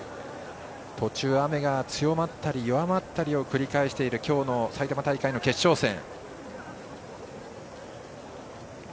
途中、雨が強まったり弱まったりを繰り返している今日の埼玉大会の決勝戦。